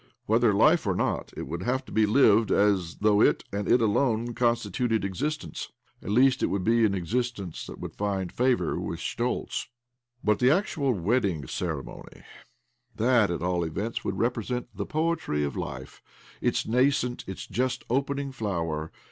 Whether life or not, it would have to be lived as though it, and it alone, constituted exist ence . At least it would be an existence that would find favour with Schtoltz ! But the actual wedding ceremony — that, at all events, would represent the poetry of life, its nascent, its just opening flower